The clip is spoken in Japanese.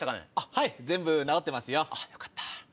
はい全部直ってますよ。よかった。